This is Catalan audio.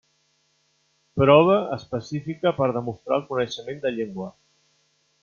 Prova específica per demostrar el coneixement de llengua.